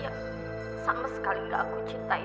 yang sama sekali tidak aku cintai